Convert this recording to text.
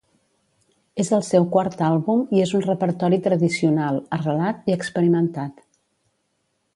És el seu quart àlbum i és un repertori tradicional, arrelat i experimentat.